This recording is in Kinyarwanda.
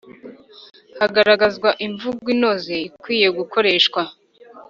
hagaragazwa imvugo inoze ikwiye gukoreshwa.